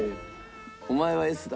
「お前はＳだ」